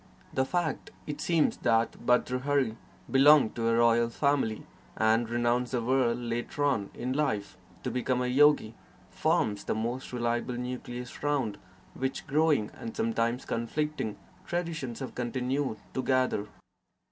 The fact, it seems, that Bhartrhari belonged to a royal family and renounced the world later on in life to become a yogi, forms the most reliable nucleus round which growing, and sometimes conflicting, traditions have continued to gather.